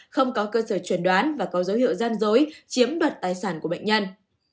không có cơ sở chuẩn đoán và có dấu hiệu gian dối chiếm đoạt tài sản của bệnh nhân